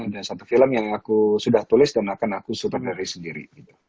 dan ada satu film yang aku sudah tulis dan akan aku sutradarai sendiri